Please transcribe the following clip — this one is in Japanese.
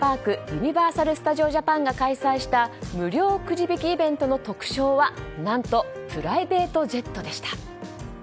ユニバーサル・スタジオ・ジャパンが開催した無料くじ引きイベントの特賞は何とプライベートジェットでした。